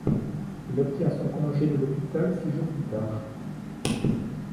Il obtient son congé de l'hôpital six jours plus tard.